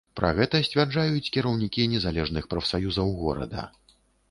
Пра гэта сцвярджаюць кіраўнікі незалежных прафсаюзаў горада.